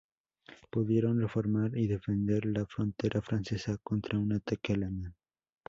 Pudieron reformar y defender la frontera francesa contra un ataque alemán.